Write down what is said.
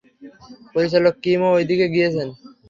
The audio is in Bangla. পরিচালক কিমও ওইদিকে গিয়েছেন।